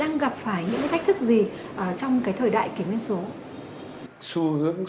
đang gặp phải những thách thức gì trong thời đại kỷ nguyên số